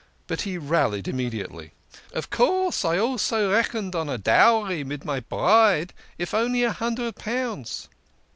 But he rallied immediately. " Of course, I also reckoned on a dowry mid my bride, if only a hundred pounds."